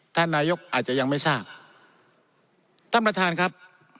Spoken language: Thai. ท่านนายกอาจจะยังไม่ทราบท่านประธานครับ